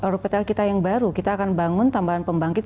ruptl kita yang baru kita akan bangun tambahan pembangkit